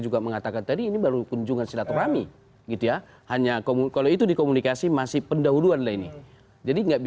yang diwakili oleh sosok yang